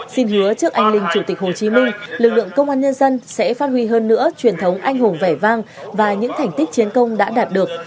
xin hứa trước anh linh chủ tịch hồ chí minh lực lượng công an nhân dân sẽ phát huy hơn nữa truyền thống anh hùng vẻ vang và những thành tích chiến công đã đạt được